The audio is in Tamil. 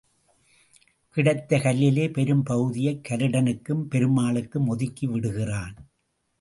கிடைத்த கல்லிலே பெரும் பகுதியைக் கருடனுக்கும் பெருமாளுக்கும் ஒதுக்கி விடுகிறான்.